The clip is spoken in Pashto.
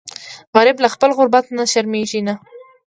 غریب له خپل غربت نه شرمیږي نه